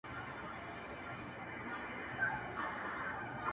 ښکلا د دې؛ زما